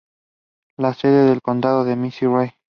La sede del condado es McRae.